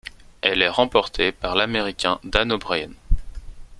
Elle est remportée par l'Américain Dan O'Brien.